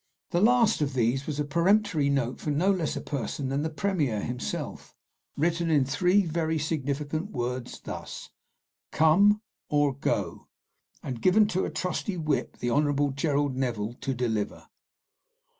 The last of these was a peremptory note from no less a person than the Premier himself, written in three very significant words, thus: "Come, or go;" and given to a trusty whip, the Hon. Gerald Neville, to deliver.